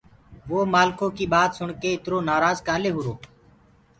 وو مآلکو ڪي ٻآت سُڻ ڪي اِتر نآرآج ڪآلي هوُرو۔